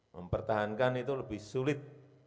mempertahankan itu lebih sulit